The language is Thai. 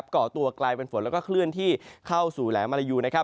ก่อตัวกลายเป็นฝนแล้วก็เคลื่อนที่เข้าสู่แหลมมารยู